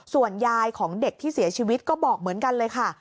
ส่วนยายของเด็กที่เสียชีวิตก็บอกเหมือนกันเลยค่ะ